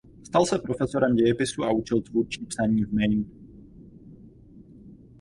Stal se profesorem dějepisu a učil tvůrčí psaní v Maine.